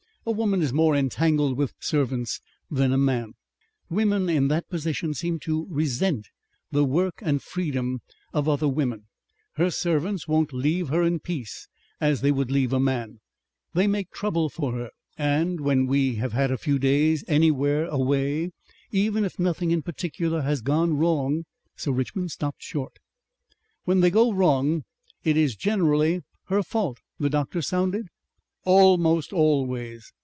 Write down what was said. A woman is more entangled with servants than a man. Women in that position seem to resent the work and freedom of other women. Her servants won't leave her in peace as they would leave a man; they make trouble for her.... And when we have had a few days anywhere away, even if nothing in particular has gone wrong " Sir Richmond stopped short. "When they go wrong it is generally her fault," the doctor sounded. "Almost always."